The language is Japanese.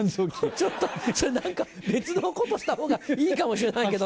ちょっとそれ何か別のことしたほうがいいかもしれないけど。